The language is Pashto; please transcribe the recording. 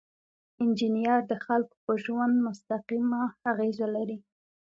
انجینر د خلکو په ژوند مستقیمه اغیزه لري.